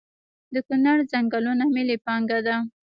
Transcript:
د کنړ ځنګلونه ملي پانګه ده؟